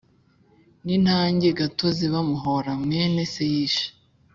nintange gatozi bamuhōra mwene se yishe.